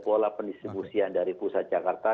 pola pendistribusian dari pusat jakarta